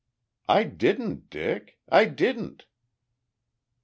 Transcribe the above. "I didn't, Dick; I didn't!"